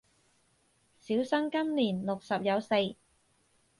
小生今年六十有四